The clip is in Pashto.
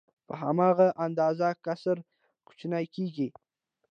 په هماغه اندازه کسر کوچنی کېږي